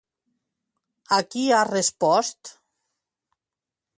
A qui ha respost?